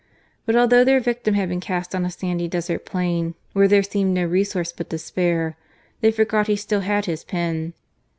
But although their victim had been cast on a sandy desert plain where there seemed no resource but despair, they forgot he still had his pen.